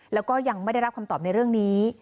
แล้วก็ยังไม่ได้รับคำตอบในเรื่องนี้